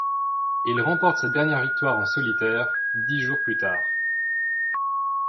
Il remporte sa dernière victoire en solitaire, dix jours plus tard.